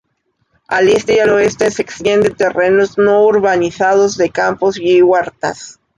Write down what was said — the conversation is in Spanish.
Al este y el oeste se extienden terrenos no urbanizados de campos y huertas.